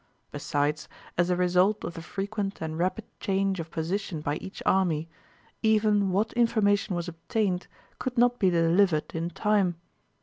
Besides, as a result of the frequent and rapid change of position by each army, even what information was obtained could not be delivered in time.